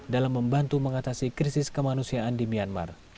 dalam membantu mengatasi krisis kemanusiaan